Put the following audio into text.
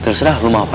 terserah lo mau apa